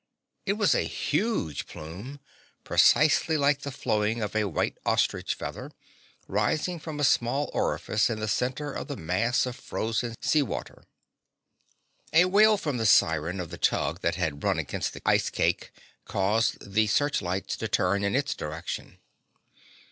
It was a huge plume, precisely like the flowing of a white ostrich feather, rising from a small orifice in the center of the mass of frozen sea water. A wail from the siren of the tug that had run against the ice cake caused the searchlights to turn in its direction.